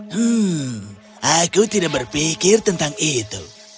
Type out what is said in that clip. hmm aku tidak berpikir tentang itu